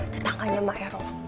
tetangganya ma eros